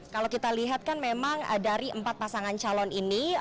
kalau kita lihat kan memang dari empat pasangan calon ini